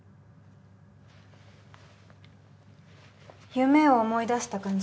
夢を思い出せた感じ？